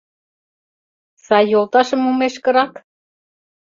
Сай йолташым мумешкырак?»